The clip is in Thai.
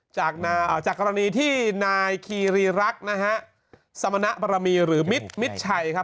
จากกรณีที่นายคีรีรักษ์นะฮะสมณบรมีหรือมิตรมิดชัยครับ